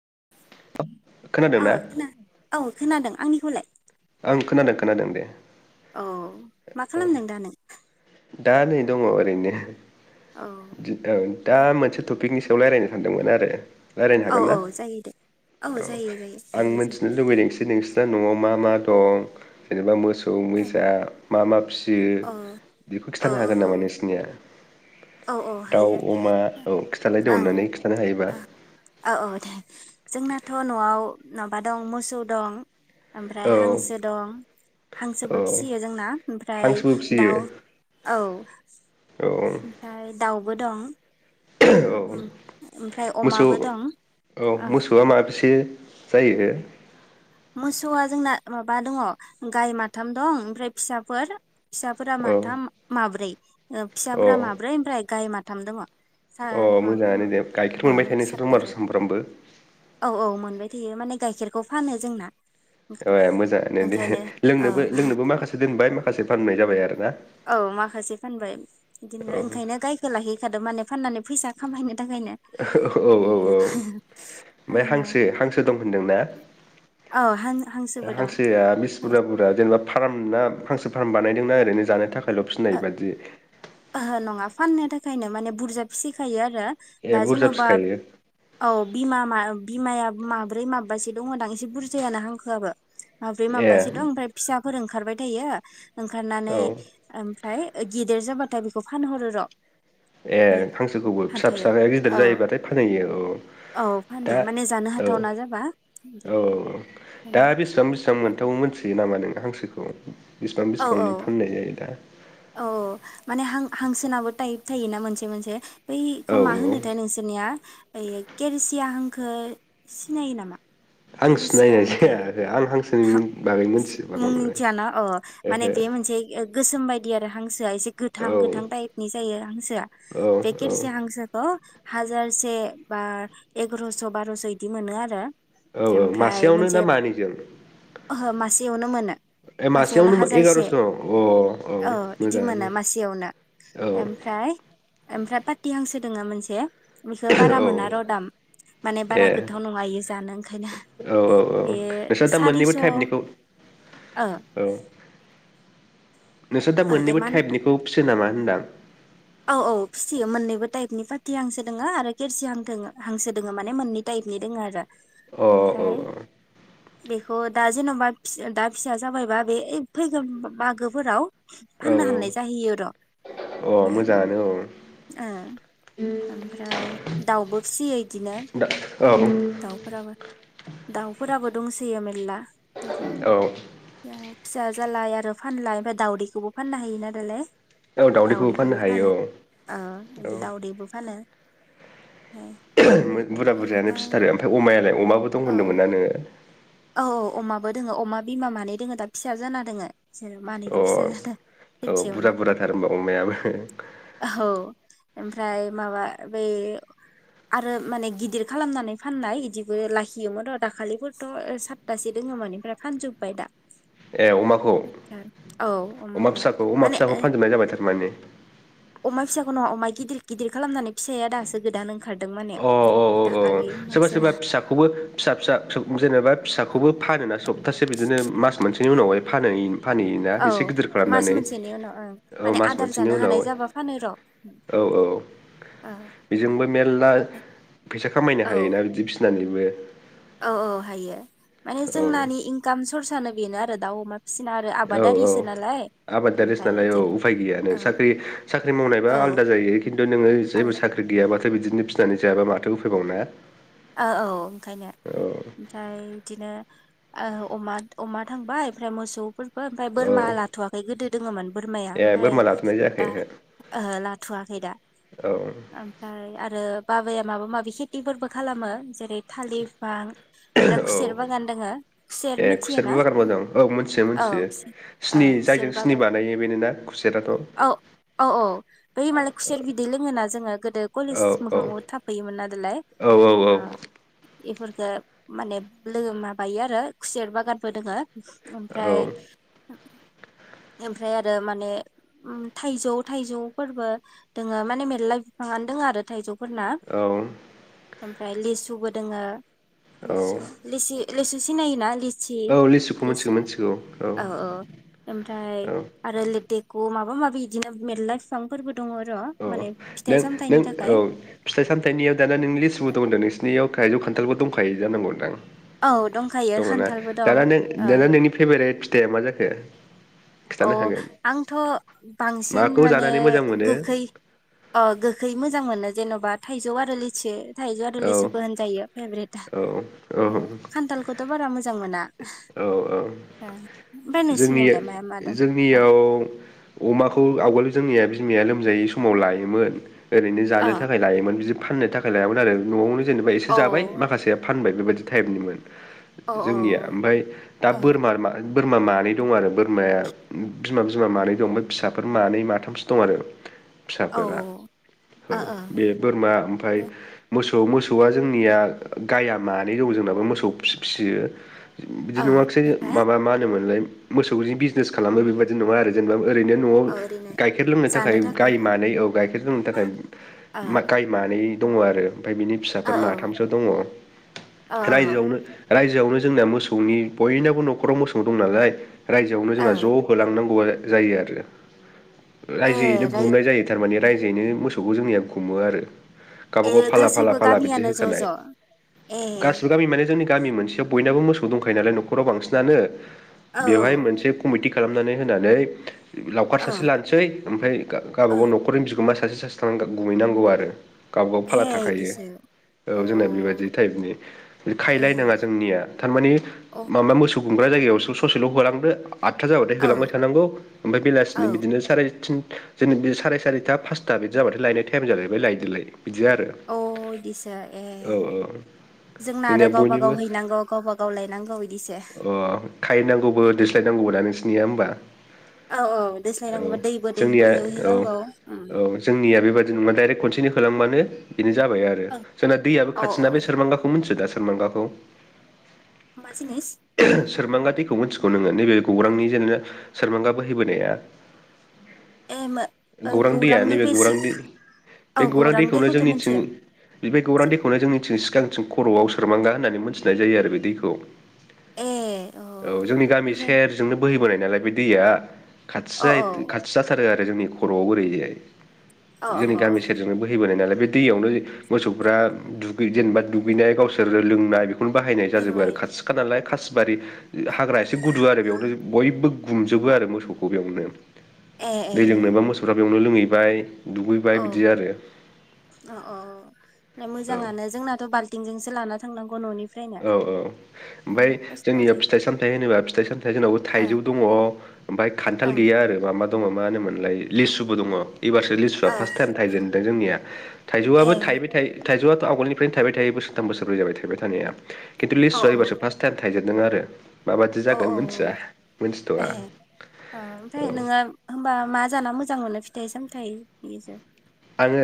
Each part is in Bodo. [unintelligible] अ खोना औ खोनादों आंनिखौलाय आं खोनादों खोनादों दे औ मा औ खालामदों दा नों दा नै दंङ ओरैनो। दि दा मोनसे थफि पिकनि साआव रायल्लायनो सानदोंमोन आरो। रायलायनो औ हागोन ना औ जायो दे औ जायो जायो आं रायलायजायो मिथिनो लुबैनायखोसो नोंसो न'आव मा मा दं जेनेबा मोस औ मोसा मा मा फि बियो औ बेखौ औ खिन्थानो हागोन नामा औ नोंसिनिया औ औ दाउ हायो अमा औ खिथालायदो ओं अननानै खिन्थानो हायोबा औ औ दे जोंनाथ न'आव माबा दं मोसौ दं। ओमफ्राय औ हांसो दं औ हांसोबो फिसियो जोंना ओमफ्राय हांसोबो फिसियो दाउ औ। दाउबो दं। औ औ ओमफ्राय मोसौ अमाबो दं औ ओ मोसौआ माबेसे? जायो ओ मोसौआ जोंना माबा दङ गाय माथाम दं ओमफ्राय फिसाफोर फिसाफोरा औ माथाम माब्रै। ओ फिसाफोरा औ माब्रै ओमफ्राय गाय माथ थाम दंङ सा अ माब्रै मोजाङानो दे गाइखेर ओ मोनबाय थायो नोंसोरथ' सात था होनबाथ' जाङो सामफ्रामबो औ औ मोनबाय थायो माने गाइखेरखौ फानो। जोंना ए मोजांङानो दे ओंखायनो औ लोंनोबो लोंनोबो माखासे दोनबाय मा माखासे फाननाय जाबाय आरो ना? औ माखासे फानबाय औ बिदिनो ओंखायनो गायखौ लाहिखादो माने फाननानै फैसा खामायनो थाखायनो [unintelligible] औ औ ओमफाय फानबाय हांसो हांसो दं होनदोंना? औ हांसोबो दं हांसोआ बिसि बुरजा बुरजा जेनेबा फारामना हांसो फार्म बानायदोंना ओरै जानो थाखाय ल फिनाय बादि ओहो नंङा फाननो थाखायनो माने बुरजा फिसिखायो आरो। ए दा बुरजा जेनबा फिखायो औ बिमा मा बिमाया माब्रै माबासो दङदां एसे बुरजायानो हांखोआबो। माब्रै ए माबासो दं ओमफ्राय फिसाफोर ओंखारबाय थायो। औ ओंखारनानै ओमफ्राय गिदिर जाबा खौ फानहरो र ए बे हांसोखौबो फिसा हाथायाव फिसाया गिदिर औ जायोबाथाय फानहैयो औ औ फानो दा माने जानो औ हाथावना जाबा औ ओंखायनो औ दा बेसेबां बेसेबां मोनथाव मोनथियो नामा नों हांसोखौ बिसिबां औ बिसेबांनि फाननाय जायो दा औ अ माने हांखो हांसोनाबो टाइप थायोना मोनसे मोनसे बै खौ औ मा औ होनोथाय नोंसोरनिया ओइ केेरसिया हांखो सिनायो नामा हांसो केेरसिया नायनाय हांखो जायाखै आं हांसो मुं मिथिया न औ माने बे मोनसे गोसोम बायदि आरो हांस- सोआ एसे गोथां ओहो गोथां औ टाइपनि जायो हांसोआ औ बे औ खेरसि हांसोखौ हाजारसे बा एगारस बारस बिदि मोनो आरो औ औ ओमफ्राय मासेयावनो ना मोनसे मानैजों ओहो मासेयावनो मोनो ए मासेयावनो हाजारसे एगार'स' अ औ औ इदि मोनो मोजाङानो मासेयावनो औ ओमफ्राय ओमफ्राय पाटिहांसो दोंङो मोनसे बेखो बारा औ मोन र दाम माने बारा ए गोथाव नङा इयो जानो ओंखायनो औ औ नोंस्रा बेयो दा मोननैबो सारिस' टाइपनिखौ ओ ओ औ नोंसोर दा मोननैबो देमान टाइपनिखौ फिसियो नामा होनदां औ औ फिसियो मोननैबो टाइपनि पाटि हांसो दोंङो आरो खिरसि हां द हांसो दोङो माने मोननै टाइपनि दोंङो आरो अ ओमफ्राय औ औ बेखौ दा जेनबा दा फिसा जाबायबा बे ए फैगोन मागोफोराव औ फाननो हाननाय जाहैयो र औ अ मोजाङानो औ ओं ओमफ्राय दाउबो फिसियो बिदिनो दा औ दाउफोराबो दाउफोराबो दंसोयो मेल्ला [inaudible] औ फिसा जालाय आरो फानलाय ओमफाय दाउदैखौबो फाननो हायोना दालाय औ दाउदैखौबो फाननो हा फानो दावदैबो फानो। फानो। [unintelligible] बुरजा बुरजायानो फिथारो ओमफाय अमायालाय अमाबो दं औ होनदोंमोनना नोङो? औ अमाबो दोङो अमा बिमा मानै दोङो दा फिसा जाना दोङो। बिसोरो अ मानैबो फिसा जादों औ बुरजा खेबसेयावनो बुरजाथार होनबा अमायाबो? औ ओमफ्राय माबा बेै आरो माने गिदिर खालामनानै फाननाय बिदिबो लाखियोमोन र' दाखालिफोरथ' साटथासे दोङोमोन एमफ्राय फानजोब्बाय दा। ए अमाखौ औ अमा अमाखौ फिसाखौ अमा माने फिसाखौ फानजोबनाय जाबाय थार माने? [unintelligible] अमा गिदिर गिदिर खालामनानै फिसाया दासो गोदान ओं अ औ औ औ सोरबा मासो सोरबा फिसाखौबो फिसा फिसा [unintelligible] जेनेबा फिसा खौबो फानोना सप्तासे बिदिनो मास मोनसेनि उनावहाय फानो इन फानहैयोना औ एसे गिदिर मास खालामनानै मोनसेनि उनाव ओं औ माने मास आदार मोनसेनि जानो उनाव हानाय जाबा फानो र' औ औ औ बेजोंबो मेलला फैसा खामायनो औ हायोना बिदि फि नानैबो। औ औ हायो। माने जोंनानि इनकाम सर्सआनो बेनो आरो दाव अमा फिसिना आरो औ औ आबादारिसो नालाय आबादारिसो ओमफ्राय नालाय औ बिदिनो उफाय गैया नों ओ साख्रि साख्रि मावनायबा औ आलदा जायो खिन्थु नोङो जेबो आलदा साख्रि गैयाबा दा बिदिनो फिनानै जायाबा माथो उफायबावना? औ औ ओंखायनो ओमफ्राय इदिनो ओ अमा अमा थांबाय ओमफ्राय मोसौफोर बो आमफ्राय बोरमा औ लाथ'वाखै गोदो दोङोमोन बोरमाया ए ओमफ्राय बोरमा लाथ'नाय जायाखै दा ओहो लाथ'वाखै दा ओहो औ ओमफ्राय आरो बाबाया माबा माबि सेथिफोरबो खालामो जेरै थालिरफां ओमफ्राय खुसेर औ बागान दोङो खुसेर ए खुसेरबो मिथियोना? बागान मावदों औ मोनथियो औ मोनथियो औ सिनि खुसेर जायजों सिनि बागान बानायो बेनो ना खुसेराथ' औ औ औ बै मालाय खुसेर बिदै लोङोना जोङो गोदो कलेज औ औ मोखाङाव थाफैयोमोनना दालाय। औ औ। बेफोरखो माने लोगो माबायो आरो खुसेर बागानबो दोङो। औ ओमफ्राय ओमफ्राय आरो माने ओम थाइजौ थाइजौफोरबो दोङो माने मेरला बिफांआनो दङ आरो थाइजौ औ। ओमफ्राय लिसुबो दोङो। औ लिसु लिसि लेसु सिनायोना लिस सि औ लिसुखौ लिसि मिथिगौ औ मिथिगौ औ ओमफ्राय औ आरो ल बेखौ माबा माबि बिदिनो मेरला बिफांफोरबो दङ र' औ माने फिथाइ नों सामथाइनि नों थाखाय औ फिथाइ सामथनियाव दाना नों लिसु ब दं होनदों नोंसिनियाव थाइजौ खान्थालबो दंखायो जानांगौ होनदां औ दंखायो दङ ना खान्थालबो दं दाना नों ओ दाना नोंनि फेभारेट दे मा जाखो अ खिन्थानो हागोन आंथ' बांसिन माखौ माने जानानै मोजां मोनो गोखै अ गोखै मोजां मोनो जेन'बा थाइजौ आरो लिसि थाइजौ आरो औ लेसुखौ होनजायो। फेब्रथ औ औ उम खान्थाल थ' बारा मोजां मोना। औ औ बे नसिनि जोंनि उलाय माया मा अ जोंनियाव अमाखौ आवगोल जोंनिया बिमाया लोमजायै समाव लायोमोन। ओरैनो जानो थाखाय लायोमोन बिदि फाननो थाखाय लायामोन आरो न'आवनो जेनेबा एसे औ जाबाय माखासे फानबाय बेबायदि टाइपनिमोन। औ जोंनिया औ ओमफ्राय दा औ बोरमा मा बोरमा मानै दं आरो बोरमाया बिमा बिमा मानै दं ओमफ्राय फिसाफोर मानै माथामसो दं आरो। फिसाफोरा ओ औ ओ बे बोरमा ओमफ्राय मोसौ औ मोसौआ जोंनिया गया मानै दौ जोंनाबो मोसौ फिसियो। बिदि नुवाखसै ओमफ्राय माबा मा मनलाय मोसौ बिजनेस खालामो बेबायदि नङा आरो जेनेबा ओरैनो न'आव औ ओरैनो गाइखेर लोंनो थाखाय गाय मानै औ गाइखेर लोंनो थाखाय ओ गाय मानै दङ आरो ओमफफ्राय बिनि औ फिसाफोर माथामसो दङ औ रायजोआवनो रायजोआवनो जोंना मोसौनि बयनाबो न'खराव मोसौ मौ दं नालाय रायजोआवनो जोंहा ज औ होलांनांगौ जायो। जायो आरो रायजोयैनो ए राय गुमनाय जायो थारमाने रायजोयैनो मोसौखौ जोंनिया गुमो आरो। गावब ए गाव फाला फाला गासैबो फाला बिदि गामियानो ज' होखानाय ज' ए गासिबो गामि माने जोंनि गामि मोनसेयाव बयनाबो मोसौ दंखायो नालाय न'खराव बांसिनानो औ बेवहाय मोनसे कमिटि खालामनानै होनानै लावखार औ सासे लानोसै ओमफ्राय गा-गाबागाव औ नख'रनि बिगोमा सा सासे सासे थांना गुमहैनांगौ आरो। गावबा गाव ए फाला थाखायो इदिसो अ औ जोंना बेबायदि टाइपनि ए खायहैलायनाङा जोंनिया थारमाने अ माबा मोसौ मोसौ गुमग्रा जायगायावसो ससेल' होलांदो आदथा जाबाथाय औ होलांबाय थानांगौ ओमफ्राय बेलासिनि औ बिदिनो साराय थिन जेन बे साय सारिथा पासथा बिदि जाबाथाय लायनाय टाइम जालायबाय लायदोलाय अ बिदि इदिसो ए आरो औ औ जोंना आरो जोंनिया गावब बयनिबो गाव हैनांगौ गावबाागाव लायनांगौ बिदिसो खायैनांगौबो दोस्लायनांगौबो दा नोंस नियाहोमबा? औ औ दोस्लायनांगौबा दैबो जोंनिया दैदोहैनांगौ ओम जेनेबा डाइरेक्ट कनसेनो होलांबानो बेनो जाबाय आरो जोंना दैयाबो औ खाथिना बे सोरमांगाखौ मिथियो दा? सोरमांगाखौ मा जिनिस सोरमांगा दैखौ मिथिगौ नोङो नैबे गौरांनि जेनेबा सेरमांगा बोहैबोनाया ए मो ओ गौरां दैया गौरांनि नैबे बे सि गौरां दै औ बे गौरां दैखौनो दैखौथ' जोंनिंथिं मिथियो बे गौरां सो- दैखौनो जोंनिथिं सि सिगांथिं खर'आव सोरमांगा होननानै मोनथिनाय जायो आरो बे दैखौ ए अ औ जोंनि गामि ओमफ्राय सेरजोंनो बोहैबोनाय नालाय बे दैया खाथि अ औ जायो खाथि जाथारो आर जोंनि खर'आव ओरै जाय अ जोंनि गामि सेरजोंनो बोहैबोनाय नालाय बे दैयावनो मोसौफ्रा दुगै जेनेबा दुगैनाय गावसोर लोंनाय बेखौनो बाहायनाय जाजोबो आरो लोंनाय खाथिखा नालाय खा बारि हाग्रा एसे गुदु आरो बेयावनो बयबो गुमजोबो आरो मोसौखौ बेयावनो ए ए दै लोंनोबा मोसौफ्रा बेयावनो लोंङै बाय औ अ अ औ मोजाङानो जोंनाथ बाल्थिंजोंसो लाना थांनांगौ ननि औ औ ओमफ्राय जोंनिया जायो फिथाइ सामथाइ होनोबा फिथाइ सामथाइ जोंनावबो थाइजौ दङ ओमफाय खान्थाल गैया आरो माबा दङ मा होन मोनलाय लिसुबो दङ इबारसो लिसुआ फार्स्ट टाइम थाइजेनदों जोंनिया थाइजौआबो थाइबाय थायो थाइजौआथ आगोलनिफ्रायनो थायबाय थायो बोसोरथाम बोसोरब्रै जाबाय थायबाय थानाया। खित्तु लिसुआ एबरसो फास्ट थाइम थायजेनदों आरो माबादि औ औ जागोन मिथिया औ मिथिथ'आ एहे औ ओमफ्राय नोङो होनबा मा जाना मोजां मोनो फिथाइ साम थाय बेजो आङो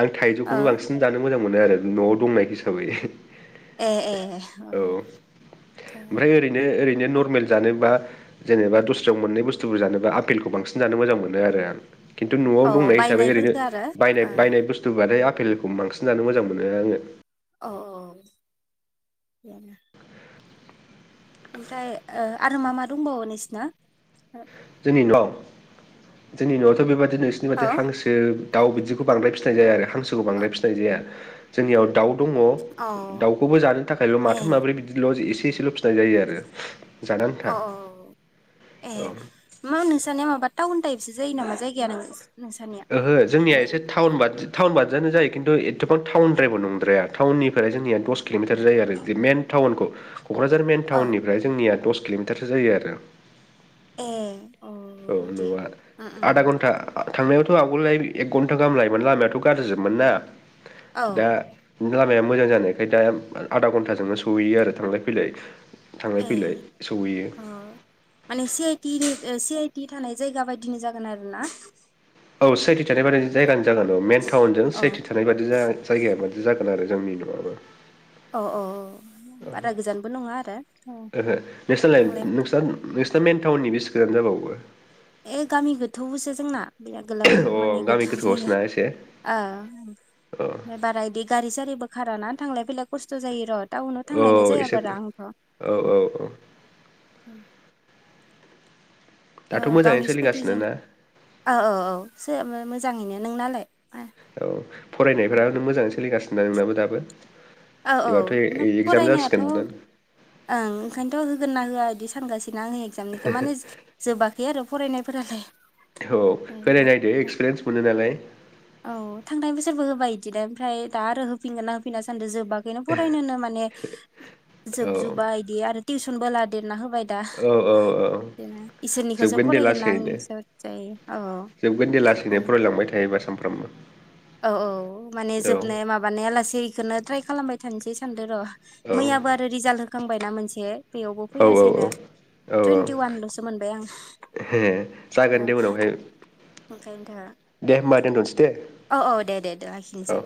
आं थाइजौखौनो बांसिन जानो मोजां मोनो आरो नआव दंनायख हिसाबै। ए ए औ ओमफ्राय ओरैनो ओरै बिनो नर्मेल जोनोबा जेनेबा दस्रायाव मोननाय बुस्थुखौ जानोबा आपेलखौ बांसिन जानो मोजां मोनो आरो आं खिन्थु नआव औ दंनाय हिसाबै ओरैनो बायनायफोरखो आरो ओ बायनाय बुस्तु बाथाय आफेलखौ बांसिन जानो मोजां मोनो आङो अ औ ओमफ्राय आरो मा मा दंबावो नोंसिना? जोंनि नवाव जोंनि नआवथ बेबायदि नोंसोरनि बादि औ हांसो दाउ बिदिखौ बांद्राय फिसिनाय जाया‌ आरो हां सोखौ बांद्राय फिसिनाय जाया। जोंनियाव दाउ दङ औ दाउखौबो जानो थाखायल ए माथाम माब्रै बिदिल एसेल फिसिनाय जायो आरो जानो आन्था अ अ ए औ मा नोंसानिया माबा टाउन टाइपसो जायो नामा जायगाया नो। ओहो जोंनिया एसे टाउनबादि टाउन बा बादियानो जायो खिन्थु एथबां टाउनद्रायबो नंद्राया टाउननिफ्राय जोंनिया दस किलमिटार जायो आरो जे मेन टाउनखौ कक्राझार मेन औ टाउननिफ्राय जोंनिया दस- किलमिटारसो जायो आरो ए औ दे नवा उम आधा उम घन्टा आ थांनायावथ आवगोललाय एक घन्टा गाहाम लायोमोन लामायाथ गाज्रिजोबमोन ना औ दा लामाया मोजां जानायखाय दा आधा घन्टाजोंनो सहैयो आरो थांलाय फैलाय थांलाय ए फैलाय सहैयो उम माने सि आइटिनि सि आइ टि थानाय जायगा बायदिनो जागोन आरो ना औ सि आइ टि थानाय बादिनो जायगानि जागोन औ मेन टाउनजों सि अ आइ टि थानाय बादि जा जायगायाव बादि जागोन जागोन आरो जोंनि नआबो औ औ औ ओहो बारा गोजानबो नङा आरो नोंसिनालाय थांलाय नोंसिना नोंसिना मेन टाउननि बैसे गोजान जाबावो ए गामि गोथौसो जोंना बे आ गोलाव माने अ गामि गोथौ जायो गोथौआवसोना एसे ओ अ ओमफ्राय बारा बिदि गारि सारिबो खाराना थांलाय फैलाय खस्थ जायो र टाउनाव थांनायनो औ जाया एसे बारा औ आंथ उम औ औ औ दाथ' मोजाङैनो गावनि सोलिगासिनो स्कुटिजों ना औ औ औ सो मोजाङैनो नोंनालाय आ औ फरायनायफ्रा नों मोजाङै सोलिगासिनो दा नोंनाबो दाबो औ औ एबारथ ए एकजाम फरायनायाथ' जासिगोन दा ओं ओंखायनोथ होगोन ना होआ बिदि सानगासिनो ना आंनि एकजामनिखौ माने जोबाखै आरो फरायनायफोरालाय औ होनाय नायदो एक्सपिरियेन्स मोनो नालाय औ थांनाय बोसोरबो होबाय बिदिनो ओमफ्राय दा आरो होफिनगोनना होफिना सानदों जोब बागैनो फरायनोनो माने औ जोब जोबा बिदि आरो टिव- सनबो लादेरना हो बाय दा औ औ औ बिदिनो इसोरनिखौसो जोबगोन दे फरायगोन ना लासैनो आंनिसो जायो औ बेनो सामफ्रोमबो औ औ माने जोबनाया माबानाया लासेइखौनो ट्राय खालामबाय थानोसै सानदों र औ मैयाबो आरो रिजाल्ट होखांबायना मोनसे ए बेयावबो औ फैयासैनो औ टुइन्टि वानलसो मोनबाय आं औ जागोन दे बेयाव उनावहाय ओंखायनो दा दे होमबा दोनथ'नोसै दे औ औ दे दे दे लाखिनोसै औ